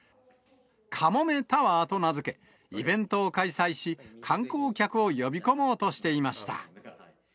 カモメタワーと名付け、イベントを開催し、観光客を呼び込もうとしていました。